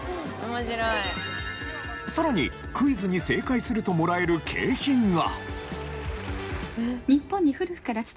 さらにクイズに正解するともらえる景品が。